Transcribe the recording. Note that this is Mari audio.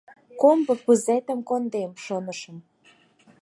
Комбо пызетым кондем, шонышым